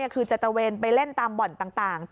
คือจะตระเวนไปเล่นตามบ่อนต่าง